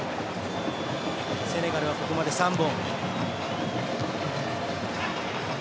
セネガルは、ここまで３本。